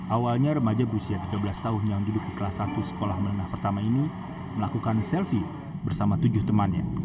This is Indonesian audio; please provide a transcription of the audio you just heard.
awalnya remaja berusia tiga belas tahun yang duduk di kelas satu sekolah menengah pertama ini melakukan selfie bersama tujuh temannya